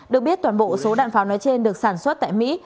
được biết toàn bộ số đạn pháo nói trên được sản xuất tại mỹ